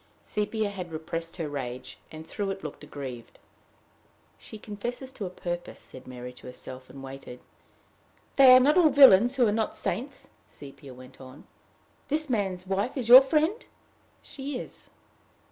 Sepia had repressed her rage, and through it looked aggrieved. "She confesses to a purpose," said Mary to herself, and waited. "They are not all villains who are not saints," Sepia went on. " This man's wife is your friend?" "She is."